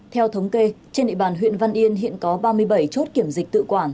theo thống kê trên địa bàn huyện văn yên hiện có ba mươi bảy chốt kiểm dịch tự quản